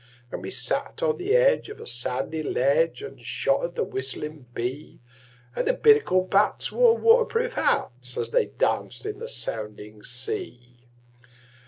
And we sat on the edge of a sandy ledge And shot at the whistling bee; And the Binnacle bats wore water proof hats As they danced in the sounding sea.